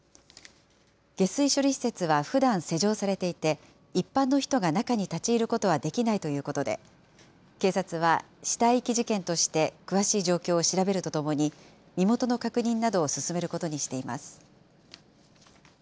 下水処理施設はふだん施錠されていて、一般の人が中に立ち入ることはできないということで、警察は死体遺棄事件として詳しい状況を調べるとともに、身元の確認などを進めることにしています。